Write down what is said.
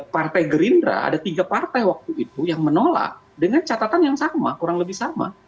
partai gerindra ada tiga partai waktu itu yang menolak dengan catatan yang sama kurang lebih sama